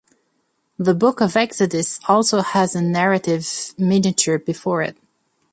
The Book of Exodus also has a narrative miniature before it.